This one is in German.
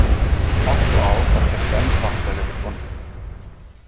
Sieht fast so aus, als hätten wir eine Schwachstelle gefunden.